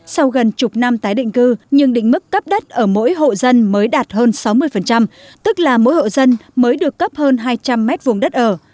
sau gần chục năm tái định cư nhưng định mức cấp đất ở mỗi hộ dân mới đạt hơn sáu mươi tức là mỗi hộ dân mới được cấp hơn hai trăm linh mét vùng đất ở